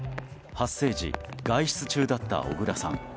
発生時、外出中だった小倉さん。